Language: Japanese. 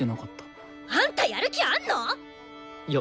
あんたやる気あんの！？よ